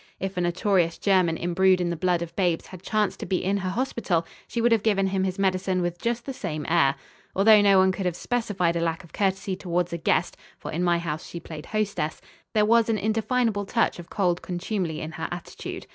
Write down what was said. If a notorious German imbrued in the blood of babes had chanced to be in her hospital, she would have given him his medicine with just the same air. Although no one could have specified a lack of courtesy towards a guest for in my house she played hostess there was an indefinable touch of cold contumely in her attitude.